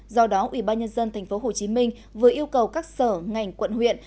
do đó ủy ban nhân dân tp hcm vừa yêu cầu các sở ngành quận huyện